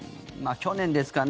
去年ですかね。